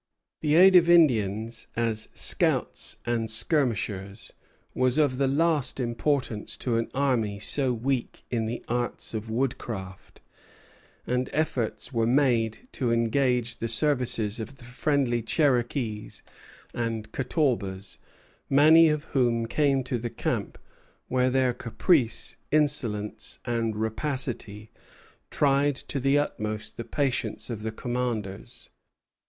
The aid of Indians as scouts and skirmishers was of the last importance to an army so weak in the arts of woodcraft, and efforts were made to engage the services of the friendly Cherokees and Catawbas, many of whom came to the camp, where their caprice, insolence, and rapacity tried to the utmost the patience of the commanders.